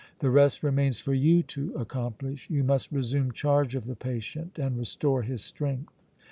The rest remains for you to accomplish. You must resume charge of the patient and restore his strength."